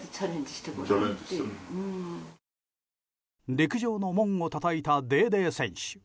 陸上の門をたたいたデーデー選手。